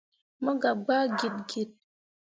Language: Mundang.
Mo gah gbaa git git.